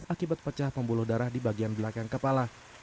akibat pecah pembuluh darah di bagian belakang kepala